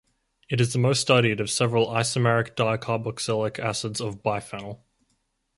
It is the most studied of several isomeric dicarboxylic acids of biphenyl.